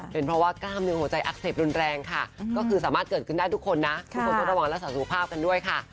เป็นเพราะว่ากล้ามเนื้อหัวใจอักเสบรุนแรงค่ะก็คือสามารถเกิดขึ้นได้ทุกคนนะทุกคนต้องระวังรักษาสุขภาพกันด้วยค่ะ